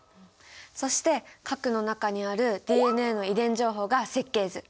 そして核の中にあるＤＮＡの遺伝情報が設計図！